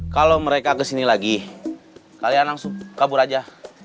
kalau mereka kesini lagi kalian langsung kabur aja